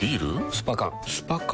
スパ缶スパ缶？